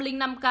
đồng nai năm ca